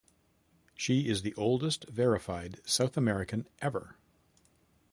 She is the oldest verified South-American ever.